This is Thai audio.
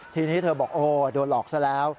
ทีนี้เธอบอกโอ้โดนหลอกซะแล้ว